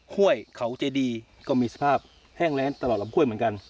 ห้วยเขาเจดีก็มีสภาพแห้งแรงตลอดลำห้วยเหมือนกัน